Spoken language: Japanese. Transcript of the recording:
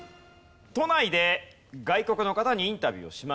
都内で外国の方にインタビューをしました。